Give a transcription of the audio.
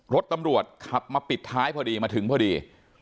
รถตำรวจขับมาปิดท้ายพอดีมาถึงพอดี